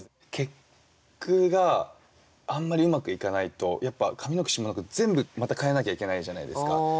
結句があんまりうまくいかないとやっぱ上の句下の句全部また変えなきゃいけないじゃないですか。